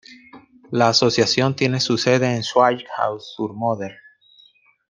La asociación tiene su sede en Schweighouse-sur-Moder.